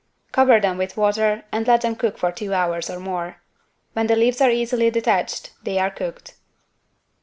Cover them with water and let them cook for two hours or more. When the leaves are easily detached they are cooked.